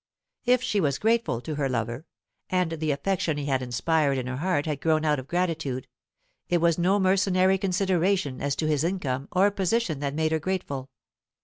If she was grateful to her lover and the affection he had inspired in her heart had grown out of gratitude it was no mercenary consideration as to his income or position that made her grateful.